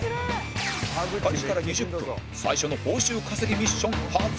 開始から２０分最初の報酬稼ぎミッション発令！